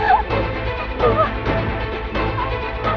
jangan lagi risot demikian kan